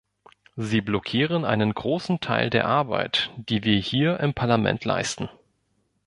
Sie blockieren einen großen Teil der Arbeit, die wir hier im Parlament leisten.